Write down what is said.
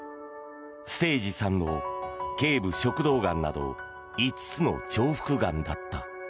ステージ３の頸部食道がんなど５つの重複がんだった。